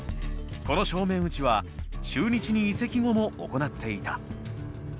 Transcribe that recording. この正面打ちは中日に移籍後も行っていた。